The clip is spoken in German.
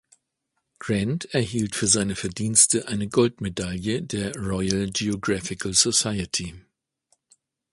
Grant erhielt für seine Verdienste eine Goldmedaille der "Royal Geographical Society".